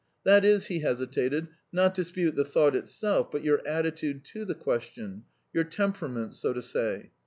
That is," he hesitated, "not dispute the thought itself, but your attitude to the question your temperament, so to say.